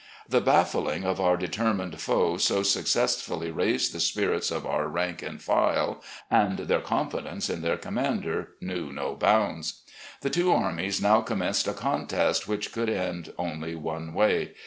The baffling of our determined foe so successfully raised the spirits of our rank and file, and their confidence in their commander knew no bounds. The two armies now commenced a contest which could end only one way.